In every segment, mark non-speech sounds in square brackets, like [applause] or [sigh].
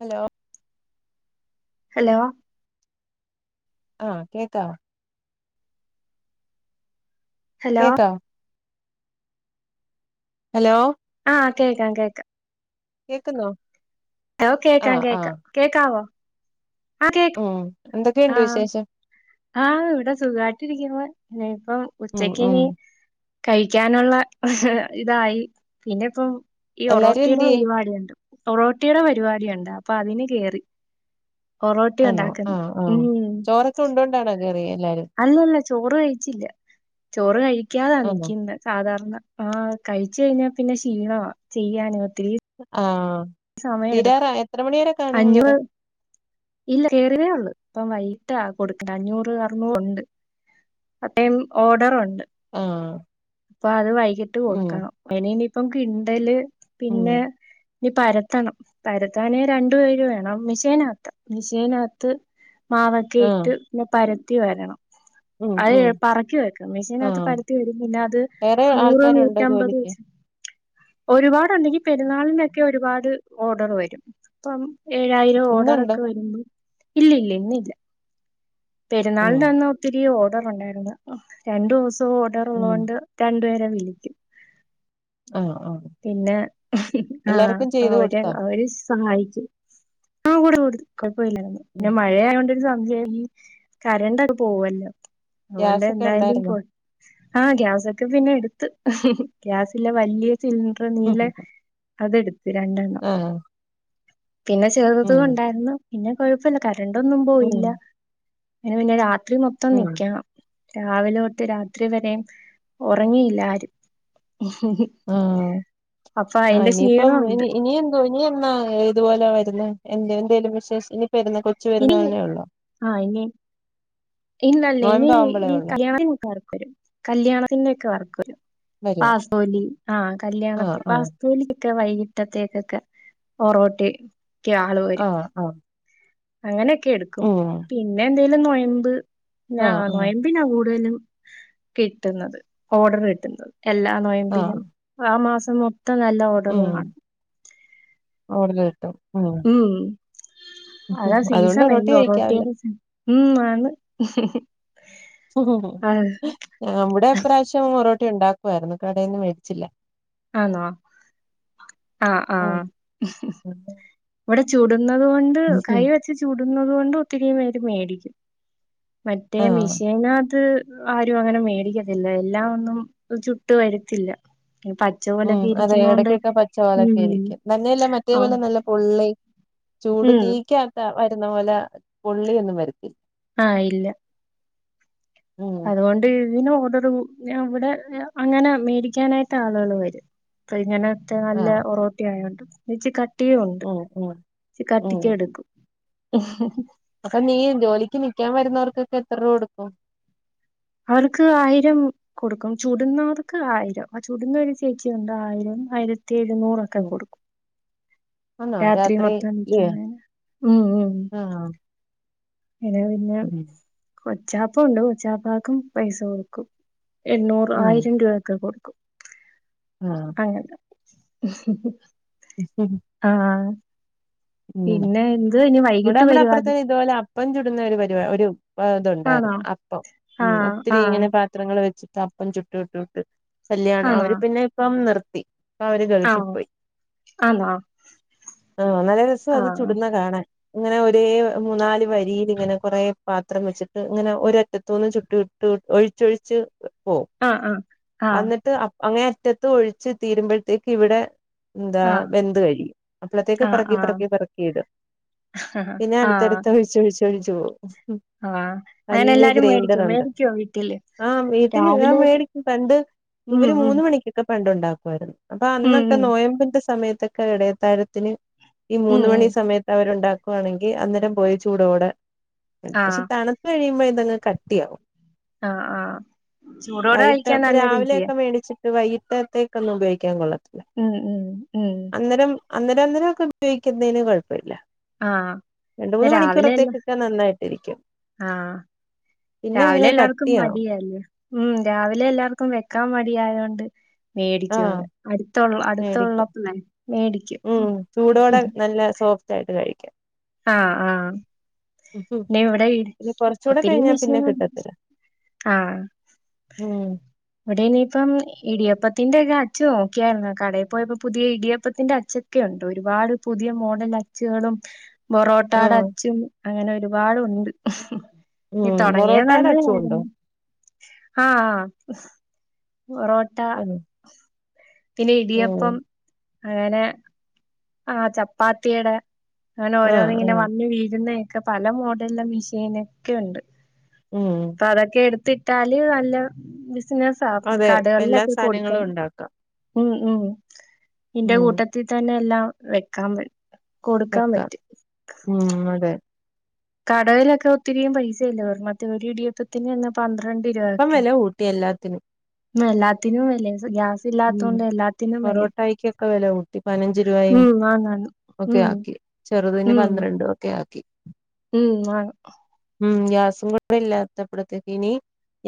Hello hello ആ കേക്കാവോ hello കേക്കാവോ ഹലോ ആ കേക്കാം കേക്ക കേക്കുന്നോ ഹലോ കേക്കാം ആഹ് ആഹ് കേക്കാം കേക്കാവോ ആ കേക് ഉം എന്തൊക്കെയുണ്ട് വിശേഷം? ആ ഇവിടെ സുഖായിട്ടിരിക്ക്ന്ന് ഞ പ്പോം ഉം ഉം ഉച്ചക്കിനി കഴിക്കാനുള്ള ഇതായി പിന്നെ ഇപ്പം ഈ എല്ലാരും ഓരോട്ടീടെ എന്തിയേ പരിപാടി ഉണ്ട് പൊറോട്ടിയുടെ പരിപാടിയുണ്ട് അപ്പൊ അതിന് കേറി ഒറോട്ടി ആന്നോ ഉണ്ടാക്കുന്ന് ആഹ് ആഹ് ഉം ചോറൊക്കെ ഉണ്ടോണ്ടാണൊ അല്ലല്ല ചോറ് കഴിച്ചില്ല ചോറ് കഴി ഴിക്കാതാ ആന്നോ നിക്കുന്നെ സാധാരണ ആഹ് കഴിച്ച് കഴിഞ്ഞാ പിന്നെ ക്ഷീണവാ ചെയ്യാന് ഒത്തിരി ആ ആ സമയം എടുക്കും അഞ്ഞൂറ് അന്നേരം ഇല്ല കയറിയതേ ഉള്ളു ഇപ്പ വൈകിട്ടാ കൊടുക്കാ അഞ്ഞൂറ് റുണ്ട് അത്രേം ഓഡറു ആഹ് അപ്പം അത് വയി കിട്ട് ഉം കൊടുക്കണം അയ്‌നിനി പ്പം കിണ്ടല് പിന്നെ ഉം ത്തണം പരത്താനെ രണ്ടു പേര് വേണം മിഷേനകത്ത മിഷേനകത്ത് മാവൊക്കെ ആഹ് ഇട്ട് പിന്നെ പര ത്തി വരണം. ഉം അത് ഉം പറക്കി വെക്കും. മെഷീനകത്ത് ആഹ് പരത്തി വരും പിന്നെ അത് വേറെ നൂറ്, ആൾക്കാരുണ്ടോ നൂറ്റമ്പത് ജോലിക്ക് വെച്ച് ഒരുപാട് ഉണ്ടെങ്കി പെരുന്നാളിന്റെ ഒക്കെ ഒരുപാട് ഓർഡർ വരും അപ്പം ഏഴായിരം ഓർഡറ് ഇന്നുണ്ടോ ഒക്കെ വരുമ്പം ഇല്ല ഇല്ല ഇന്നില്ല. ഉം പെരുന്നാളിന്റെ അന്ന് ഒത്തിരി ഓ ണ്ടായിരുന്നു ആ രണ്ടു ദൂസ തെ ഓർഡർ ഉം ഉള്ളോണ്ട് ര പേരെ വിളിക്കും. ആഹ് ആഹ് പിന്നെ ആഹ് എല്ലാർക്കും ചെയ്ത് അവര് കൊടുത്തോ അവര് സഹായിക്കും. ആ കൂടും കൂടും കൊയ് [unintelligible] ഉം പിന്നെ മഴയായൊണ്ട് സംശയം ഈ കരണ്ടൊക്കെ പോവല്ലോ അതൊണ്ട് ഗ്യാസൊക്കെ എന്തായാലും ഉണ്ടായിരുന്നോ പൊ ആഹ് ഗ്യാസൊക്കെ പിന്നെ എടുത്ത് ഗ്യാസില്ലേ വല്യ ചിന്ട്രാ നീലേ അതെട് രണ്ടെണ്ണം ആഹ് പിന്നെ ചെറുതും ഉം ഉണ്ടായിരുന്നു പിന്നെ കൊഴപ്പല്ല രണ്ടൊന്നും പോയില്ല ഉം പിന്നെ പിന്നെ രാ ത്രി മൊത്തം ഉം നിക്ക്യണം. രാവിലോട്ട് രാത്രി വരെ ഒറങ്ങിയില്ല ആരും ഹ് ഹ് ഉ ആ ഇനിയിപ്പം ഇനി [unintelligible] ഇനി എന്തോ ഇനി എന്നാ ഇത്പോലെ വരുന്ന എന്തേ ന്തേലു വിശേഷ ഇനി [unintelligible] ആ ഇനി ഇല്ലല്ല ഇനി നോയമ്പ് ആവുമ്പളേ ഈ ഒള്ളോ കല്ല്യാണ വരും കല്ല്യാണത്തിന്റെ ഒക്കെ വർക്ക് വരും വരുവോ വാസ്‌ഫോലി ആ ആഹ് കല്യാണത്തി ആഹ് വാസ്തോലി ക്കെ വൈകിട്ടത്തേക്കൊക്കെ ഒറോട്ടേ ആ ആ അങ്ങനെ ക്കെടുക്കും പിന്നെ എന്ത ല്ലനൊയമ്പ് നാ ആഹ് ആഹ് നോയംമ്പി നാ കൂടുതലും കിട്ട്ന്നത് ഓർഡർ കിട്ട്ന്നത് എല്ലാ ആഹ് നോയമ്പിനും ആ മാസ [unintelligible] ഇത്ത നല്ല ഉം ഓഡകളാണ് ഓർഡർ കിട്ടും ഉം മ്മ് അതാ അതുകൊണ്ട് സീസൺ ഇൻ ഒറോട്ടി ഒ കഴിക്കാല്ലോ റോട്ടിയി മ്മ് ആന്ന് ഹ് ഹ് ഹ്‌ ഹ് ഹ് നമ്മുടെ ഇപ്രാവശ്യം ഒറെ ഉണ്ടാക്കുവായിരുന്നു കടയിന്ന് മേടിച്ചില്ല ആന്നോ അ ആ ഉം ഹ് ഹ് ഇവടെ ചൂട് ന്നത് കൊണ്ട് കൈ ഉം വച്ച് ചൂട് ന്നത് കൊണ്ട് ഒത്തിരി പേര് മേടിക്കും മറ്റേ ആഹ് മിഷേനാത് ആരുവങ്ങനെ മേടിക്കത്തില്ല എല്ലാ ഒന്നും ചുട്ട് വരുത്തില്ല ഉം അതെ എടക്കൊക്കെ പച്ചപോലൊക്കെ ഉം ഇരിക്കും തന്നെയല്ല മറ്റേ ആ, പോലെ നല്ല പൊള്ളി ചൂട് ഉം തീക്കാക്കാ വത് ക്കുന്ന പോല പൊള്ളിയൊന്നും വരത്തി ആഹ് ഇല്ല ഉം അതുകൊണ്ട് [unintelligible] ഒരു ഇവിടെ അങ്ങനെ മേടിക്കാനായിട്ടാളുകള് വരും പ്പ ഇങ്ങനെ റ്റേ നല്ല ആഹ് ഒറോട്ടി ആയോണ്ട് ഇച്ചിക്ക ട്ടിയൊണ്ട് ഉം ഉം ച്ചിരി കട്ടിക്കെടുക്കും ഉം ഹ് അപ്പ നീ ജോലിക്ക് നിക്ക്യാൻ വരുന്നോർക്കൊക്കെത്തറുവ കൊടുക്കും അവർക്ക് ആയിരം കൊടുക്കും ചുടുന്നോർക്ക് ആയിരം ആ ചുടുന്നൊരു ചേച്ചിയുണ്ട് ആയിരം ആയിര ത്തിരുനൂറൊക്കെ ഉം കൊടുക്കും ആന്നോ രാത്രി മൊത്തം ഇല്ലേ നിക്കുന്നെ ഉം ഉം ആഹ് ഇത് പിന്നെ ഉം കൊച്ചാപ്പ ഉണ്ട് കൊച്ചാപ്പാക്കും പൈസ കൊടുക്കും എണ്ണൂറ് ഉം ആയിരം രൂപായൊക്കെ കൊടു ആഹ് അങ്ങനെ ആ ഉം പിന്നെ എന്ത് ഇനി വൈകിട്ട് പരിവാടി പ്പഞ്ചുടുന്ന ഒരു പരുവാ ഒരു ആണോ? അതൊണ്ടായിരുന്ന് അപ്പം ആ ഉം ഒത്തിരി ആ ഇങ്ങനെ പാത്രങ്ങള് വെച്ച് അപ്പം ചുട്ട് ചുട്ട് ചുട്ട് കല്ല്യാണ് ആണോ? അവര് പിന്നെ ഇപ്പം നിർ ത്തി അവര് ആ ഗൾഫിപ്പോയി ആണോ? ആ നല്ല രസ് രസാ ആ അത് ചുടുന്നെ കാണാൻ അങ്ങനെ ഒരേ മൂന്നാല് വ രീലിങ്ങനെ കൊറേ പാത്രം വെച്ചിട്ട് ഇങ്ങനെ ഒരറ്റത്തുന്ന് ചുട്ടി ഇട്ട് ഒഴിച്ചൊഴിച്ച് പോവും ആ ആ ആ ആ എന്നിട്ട് അങ്ങനെ മുറ്റത്ത് ഒഴിച്ച് തീരുമ്പോഴത്തേക്ക് ഇവിടെ എന്താ ബെന്ത് കഴി അപ്പോഴത്തേക്ക് ആ പെറുക്കി പെറുക്കി [unintelligible] പിന്നെ ആ ആ അടുത്തടുത്ത് [unintelligible] വിച്ചഴിച്ചോ ആ അങ്ങനെ വല്ല്യ എല്ലാരും ഗ്രൈൻഡർ മേടിക്കോ? ഉണ്ട് മേടിക്കോ വീട്ടില്? ആ വീട്ടിൽ ആ രാവിലെ ഒരു- മേടിക്കും പണ്ട് ഉം ഒരു ഉം മൂന്ന് മണിക്കൊക്കെ പണ്ട് ഉണ്ടാക്കുമായിരുന്നു അപ്പൊ ഉം അന്നൊക്കെ ഉം നൊയമ്പിന്റെ സമയത്ത് ത്തക്ക ഇടയത്താഴത്തിന് ഈ ഉം മൂന്ന് ഉം മണി സമയത്ത് അവരുണ്ടാ ക്കുവാണെങ്കിൽ അന്നേരം പോയി ചൂടോടെ പക്ഷെ ആഹ് തണുത്ത് കഴിയുമ്പോ അതങ്ങ് കട്ടിയാവും ആഹ് ആഹ് ചൂടോടെ കഴിക്കാൻ നല്ല രുചിയാ ഒരു വൈകിടത്തേക്ക ഒന്ന് ഉപയോഗിക്കാൻ കൊള്ളാം ഉം ഉം ഉം അന്നരം അന്നേരം ഒക്കെ ഉപയോക്കുന്നതിന് കുഴപ്പമില്ല ആഹ് രണ്ട് ഇന്ന് മൂന്ന് രാവിലെ എല്ലാ മണിക്കൂറത്തേക്കൊക്കെ നന്നായിട്ടിരിക്കും ആഹ് പിന്നെ രാവിലെ അങ്ങ് എല്ലാവർക്കും കട്ടിയാവും മടിയല്ലേ ഉം രാവിലെ എല്ലാർക്കും വെക്കാൻ മടി ആയോണ്ട് മേടിക്കും ആഹ് അതെ അടുത്തുള്ള മേടിക്കും അടുത്തുള്ളപ്പളേ മേടിക്കും ഉം ചൂടോടെ നല്ല സോഫ്റ്റ് ആയിട്ട് കഴിക്കാം ആഹ് ആഹ് ന്നെ ഇവിടെ പിന്നെ കുറച്ചൂടെ ഒത്തിരിയും കഴിഞ്ഞാ വിഷയ പിന്നെ കിട്ടത്തില്ല ആഹ് ഉം ഇവിടനിപ്പം ഇടിയപ്പ ത്തിന്റെയൊക്കെ അച്ചു നോക്കിയായിരുന്നു കടയിൽ പോയപ്പോ പുതിയ ഇടിയപ്പത്തിന്റെ അച്ചൊക്കെ ഉണ്ട് ഒരുപാട് പുതിയ മോഡൽ അച്ചുകളും ബൊറോട്ടാടെ ആഹ് അച്ഛും അങ്ങനെ ഒരുപാടുണ്ട് ഇ ഉം തുടങ്ങിയ പൊറോട്ടയുടെ അച്ചുണ്ടോ നല്ലതായിരുന്നു ഹാ ഹാ ഹ ബൊറോട്ട ആഹ് പിന്നെ ഉം ഇടിയപ്പം അങ്ങനെ ആഹ് ചപ്പാത്തിയുടെ അങ്ങനെ ആഹ് ഓരോന്ന് ഇങ്ങനെ ആഹ് വന്നു വീഴുന്നേ. ഒക്കെ പല മോഡലും മിഷീനൊക്കെ ഉണ്ട്. ഉം അതൊക്കെ എടു ത്തിട്ടാല് അല്ല ബി ബിസിനസാവും അതെ എല്ലാ കടകളിലൊക്കെ സാധനങ്ങളും കൊടുക്കണം. ഉണ്ടാക്കാം ഉം ഉം എന്റെ ഉം കൂട്ടത്തിൽ തന്നെ എല്ലാം. വെക്കാൻ പറ്റ വെക്കാം ഉം അതെ. കടയിലൊക്കെ ഒത്തിരി പൈസയില്ല മറ്റേ ഒരു ഇടിയപ്പത്തിന് എന്ന പന്ത്ര അപ്പം വിലകൂട്ടി എല്ലാത്തിനും. എല്ലാത്തിനും വിലയാ. ഗ്യാസ് ഉം ഇല്ലാത്തൊണ്ട എല്ലാത്തിന്നും വിലയാ പൊറോട്ടായിക്കൊക്കെ വില കൂട്ടി പതിനഞ്ച് രൂപയും ഉം ആണ് ആണ് ഒക്കെ ഉം. ആക്കി ചെറുതിന് ഉം പന്ത്രണ്ടും ഒക്കെ ആക്കി. ഉം ആണ് ഉം ഗ്യാസും കൂടെ ഇല്ലാത്തപ്പോഴത്തേക്കിനി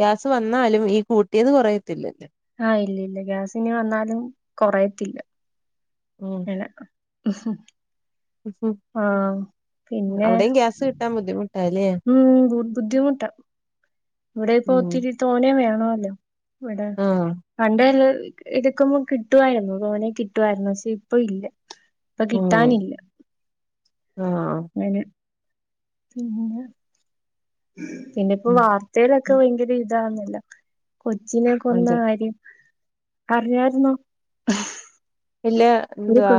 ഗ്യാസ് വന്നാലും ഈ കൂട്ടിയത് കൊറയത്തില്ലല്ലേ. ആഹ് ഇല്ല ഇല്ല ഗ്യാസി ഇനി വന്നാലും കൊറയത്തില്ല. ഉം ഇല്ല ആഹ് പിന്നെ അവിടെയും ഗ്യാസ് കിട്ടാൻ ബുദ്ധിമുട്ടാല്ലേ ഉം ബു ബുദ്ധിമുട്ടാ ഇവിടെപ്പോ ഉം ഒത്തിരി തോന്നെ വേ ല്ലോ ഇവിടെ ആഹ് പണ്ടല്ല ഇതക്കുമ്പോ കിട്ടുവായിരുന്നു തോനെ കിട്ടുയിരുന്നു പക്ഷെ ഇപ്പൊ ഇല്ല. ഇപ്പൊ ഉം കിട്ടാനില്ല ആഹ് പിന്നെന്ന പിന്നെ ഇപ്പ ഉം വാർത്തയിലൊക്കെ ഭയങ്കര വേറൊന്നുമില്ല. കൊച്ചിനെ കൊന്ന അതെ കാര്യം അറിഞ്ഞായിരുന്നോ ഇല്ല ഒരു കൊ എന്തവാ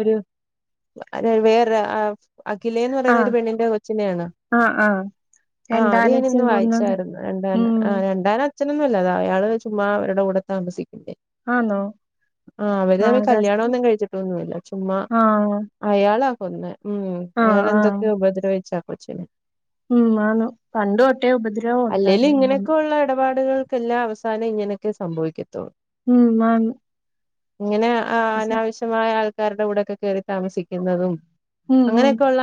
ഒരു അത് വേറെ അഖിലേന്ന് പറയുന്ന ഒരു ആഹ് പെണ്ണിന്റെ കൊച്ചിനെയാണൊ ആഹ് ആഹ് ആ അത് ഞാൻ രണ്ടാനച്ഛൻ ഇന്ന് കൊന്നത് വായിച്ചായിരുന്നു രണ്ടാണ് ഉം ആ രണ്ടാന അച്ഛനൊന്നുവല്ല അാ അയാള് ചുമ്മാ അവരുടെ കൂടെത്താമസിക്ക്ന്ന- ആന്നൊ ആഹ് കല്യാണം കഷ്ടം ഒന്നും കഴിച്ചിട്ടൊന്നുവില്ല. ചുമ്മാ ആഹ് അയാളാ പൊന്നെ ഉം ആഹ് ആഹ് അയാളെന്തൊക്കൊയൊ ഉപദ്രവിച്ചാ? കൊച്ചിനെ ഉം ആന്ന് പണ്ട് തൊട്ടേ ഉപദ്രവം ഒണ്ടാര്ന്നന്ന്. ആളുകൾക്കെല്ലാം അവസാനം ഇങ്ങനെയൊക്കെ സംഭവിക്കത്തുള്ളൂ ഉം മാന്ന് ഇങ്ങനാ ആ അനാവശ്യമായ ആൾ ആൾക്കാരുടെ കൂടെയൊക്കെ കേറി താമസിക്കുന്നതും ഉം ഉം അങ്ങനെയൊക്കെ ഒള്ള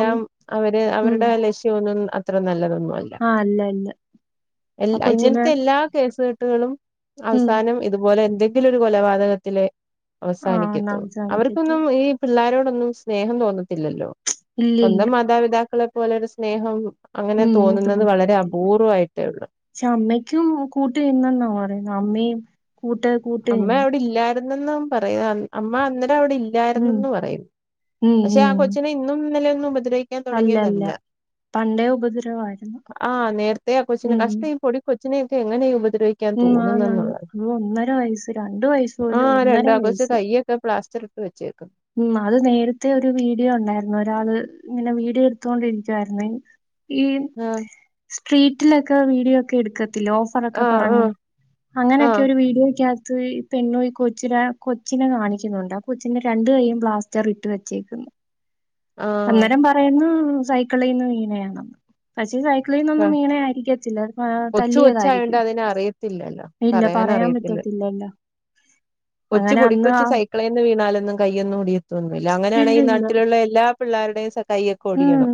അം അവര് ഉം അവരുടെ ലക്ഷ്യം ഒന്നും അ അത്ര നല്ലതൊന്നും അല്ല ആഹ് അല്ല ആ എല്ലാ കൊച്ചിനെ ഇങ്ങനത്തെ എല്ലാ കേസുക ട്ടുകളും ഉം അവസാനം ഇതുപോലെ എന്തെ ഇതിലൊരു കൊലപാതകത്തില് ആഹ് ഒന്ന് അവസാനിക്കത്തൊള്ളു അവസാനിക്കത്തു അവർക്കൊന്നും ഈ പിള്ളോരോട് ന്നും സ്നേഹം തോന്ന ല്ലല്ലോ ഇല്ലില്ല സ്വന്തം മാതാപിതാക്കള് പോലൊരു സ്നേഹം അങ്ങനെ ഉം തോന്നുന്നത് വളരെ അപൂർവമായിട്ടേ ഉള്ളൂ ക്ഷേ അമ്മയ്ക്കും കൂട്ട് ഇന്നെന്നാ പറയുന്നത് അമ്മയും കൂട്ട് കൂട്ട് നിന്ന് ര്ന്നെന്നും പറയാൻ അമ്മ അന്നി- ട്ടവിടെ ഉം. ഇല്ലാര്ന്നെന്ന് പറയും ഉം. പക്ഷെ ആ ഉം. കൊച്ചിനെ ഇന്നും ഇന്നലേം [unintelligible] ഉപദ്രവിക്കാൻ അല്ല അല്ല. തുടങ്ങിയതല്ല പണ്ടേ ഉപദ്രവായിരുന്നു. ആഹ്‌ നേരത്തെ ആ കൊച്ചിനെ ഉം. കഷ്ടം ഈ പൊടികൊച്ചി കൊച്ചിനെക്കെ എങ്ങനെയ ഉപദ്ര- ഉം ആന്നാന്ന് അതു ഒന്ന- ര വയസ്സ് രണ്ട് വയസ്സ് പോലും ഒന്നര വയസ്സ് വെച്ചേക്ക് ഉം അത് നേരത്തെ ഒരു വീഡിയോ ഉണ്ടായിരുന്നു ഒരാള് ഇങ്ങനെ വീഡിയോ എടുത്തൊണ്ടിരിക്കുവായിരുന്നെ ഈ ആ സ്ട്രീറ്റിലൊക്കെ വീഡിയോ ഒക്കെ എടുക്ക ത്തില്ലെ ഓഫറൊക്കെ ആ പറഞ്ഞ് ആ ആ അങ്ങനെയൊക്കെ ഒരു വീഡിയോക്കാ ഈ പെണ്ണുപോയി കൊച്ചിനെ കൊച്ചിനെ കാണിക്കുന്നുണ്ട് ആ കൊച്ചിനെ. രണ്ട് കൈയും പ്ലാസ്റ്റർ ഇട്ട് വെച്ചേക്കുന്നു. ആ അന്നേരം പറയുന്നു സൈക്കിളീന്ന് വീണേ ആണെന്ന് പക്ഷെ സൈ സൈക്കിളിന്നൊന്നും വീണെത് ആയിരിക്കത്തില്ല ആ കൊച്ചു കൊച്ചായോണ്ട് തല്ലിയതായിരിക്കും അതിനറിയത്തില്ലല്ലോ ഇല്ല പറയാൻ പറയാനറിയത്തില്ല പറ്റത്തില്ലല്ലോ അങ്ങനെ അന്ന് ആ. ന്നും കയ്യൊന്നൊടി തോന്നുന്നില്ല അങ്ങനെയാണെങ്കിൽ ഈ ഇല്ലില്ല നാട്ടിലുള്ള എല്ലാ. പിള്ളേരുടെ സൈ കയ്യൊക്കെ ഒടിയണം ഉം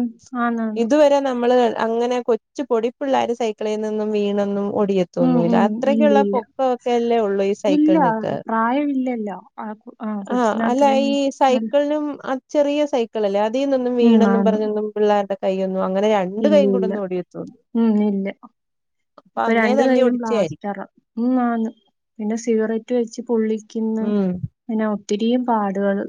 ആന്നാന്ന് ഇതുവരെ നമ്മള്. അങ്ങനെ കൊച്ചു പൊടിപ്പിള്ളാര് സൈക്കിളേനൊന്നും വീണൊന്നും. ഉം ഓടിയത്തൊന്നൂല്ല ഉം അത്രയ്ക്കുള്ള ഇല്ലില്ല പൊക്ക ഒക്കെ അല്ലേ ഉള്ളൂ ഈ ഇല്ല സൈക്കിളിനൊക്കെ ഇല്ല പ്രായമില്ലല്ലോ ആ കൊ- ആ അല്ല കൊച്ചിനത്രയും ഈ നല്ല സൈക്കിളിനും ആ. ചെറിയ സൈക്കിൾ അല്ലേ അ അതിയൊന്നു ഉം വീണെന്നും ആന്ന് പറഞ്ഞൊന്നും പിള്ളേരുടെ. കയ്യൊന്ന് ന്നും അങ്ങനെ രണ്ട് കൈ ഇല്ല കൂടെ ഇല്ല ഒന്നും ഒടിയ ഉം ഇല്ല ഇപ്പൊ അന്നേ രണ്ട് തല്ലി കൈയും ഒടിച്ചായിരിക്കും പ്ലാസ്റ്ററാ ഉം ആണ് പിന്നെ സിഗററ്റ് വെ ച്ച് പൊള്ളി ക്കുന്ന ഉം ഇങ്ങനെ. ഒത്തിരിയും പാടുകള്.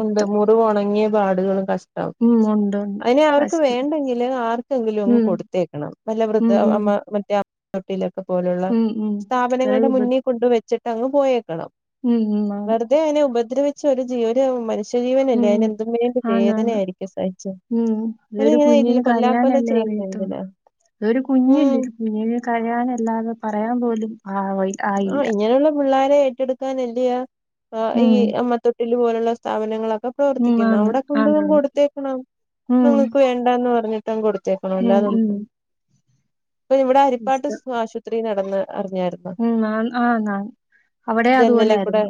ഉണ്ട് മുറിവൊണങ്ങിയ പാടുകളും കഷ് ടം ഉം ഉണ്ട് ഉണ്ട് അതിനെ അവർക്ക് പ്രശ്നം വേണ്ടെങ്കില് ആർക്കെങ്കിലും അങ്ങ് ഉം കൊടുത്തേക്കണം നല്ല വൃദ്ധ അമ്മ മറ്റേ തൊട്ടില പോലുള്ള ഇത്രയും സ്ഥാപനങ്ങളുടെ ഉപ മുന്നിൽ കൊണ്ടുവച്ച് ച്ചിട്ടങ്ങ് പോയേ ക്കണം ഉം ഉം. ആണ്. വെറുതെ അതിനെ ഉപദ്രവി ച്ച് ഒരു ജീവ [unintelligible] മനുഷ്യ ഉം ആണ് ആണ് സഹിച്ചെ ഉ അതൊരു അതിനിങ്ങനെ ഇല്ല കുഞ്ഞിന് കൊല്ലാക്കൊല കരയാനല്ലേ ചെയ്യുന്നെ അറിയത്തൊള്ളൂ എന്തിനാ അതൊരു ഉം കുഞ്ഞല്ലേ കുഞ്ഞിന് കരയാനല്ലാതെ പറയാൻ പോലും ആഹ വൈ ഓ ഇങ്ങനെയുള്ള പിള്ളേരെ ഏറ്റെടുക്കാനെ ചെയ്യാ ആഹ ഈ ഉം. അമ്മതൊട്ടിൽ പോലുള്ള സ്ഥാപനങ്ങളൊക്കെ ക്കെ ഉം. പ്രവർത്തിക്കുന്നു ആന്ന്. അവിടെ കൊണ്ടു ആന്നാന്ന്. കൊടുത്തേക്കണം ഉം. നിങ്ങൾക്ക് വേണ്ടന്ന് പറഞ്ഞ് ട്ടം കൊടു കേക്കണം ഉം ഉം. അല്ലാതൊന്നും അപ്പ ഇവിടെ അരിപ്പാട്ട് ഇഷ്ടം. ആശു നടന്ന് അറിഞ്ഞായിരുന്നു ഉം. ആന്ന് ആന്നാന്ന്. അവിടെയും ജെന്നലെ കൂടെ അതുപോലായിരുന്നു.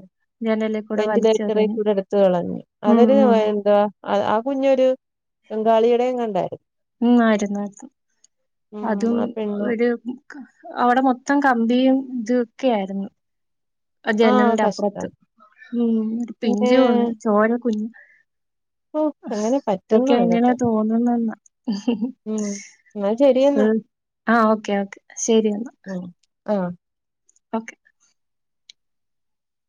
ജനലിൽ കൂടെ വെന്റിലേറ്ററെ വലിച്ചെറിഞ്ഞ്. കൂടെ എടുത്ത് കളഞ്ഞു ഉം അവർ ഉം. എന്തവാ ആ കുഞ്ഞൊരു ബംഗാളിയുടെ എങ്ങാണ്ടായിരുന്നു ഉം ആയിരുന്നുആയിരുന്നു ഉം അതും ആ പെണ്ണു ഒരു അവിടെ മൊത്തം കമ്പിയും ഇതൊക്കെ ആയിരുന്നു അ ആഹ് ജനലിന്റെ അപ്പുറത്ത് കഷ്ടം ഒരു പിന്നെ പിഞ്ചു കുഞ്ഞ് ചോര കുഞ്ഞ് ഓ അങ്ങനെ പറ്റുന്നു ഇതൊക്കെ എങ്ങനെ ഇതൊക്കെ തോന്നുന്നെന്ന ഉം എന്നാ ശരിയെന്നാ ഉം ആ ഓക്കെ ഓക്കെ ശെരി ഉ ആഹ് ഓക്കെ